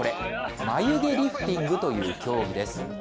まゆげリフティングという競技です。